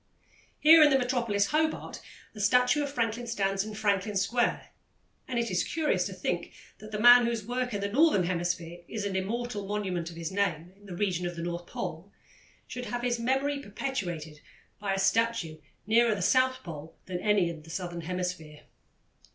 Here in the metropolis, Hobart, a statue of Franklin stands in Franklin Square, and it is curious to think that the man whose work in the Northern Hemisphere is an immortal monument of his name in the region of the North Pole should have his memory perpetuated by a statue nearer the South Pole than any in the Southern Hemisphere.